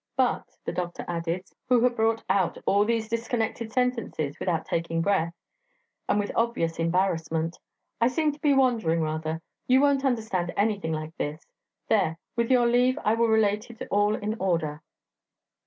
But," added the doctor, who had brought out all these disconnected sentences without taking breath, and with obvious embarrassment, "I seem to be wandering rather you won't understand anything like this ... There, with your leave, I will relate it all in order."